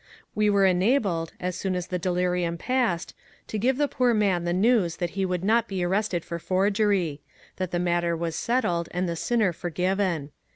We were enabled, as soon as the delirium passed, to give the poor man the news that he would not be arrested for forgery; that the matter was settled, and the sinner forgiven.